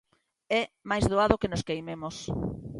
É máis doado que nos queimemos.